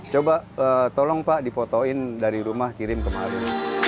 coba tolong pak dipotoin dari rumah kirim kemari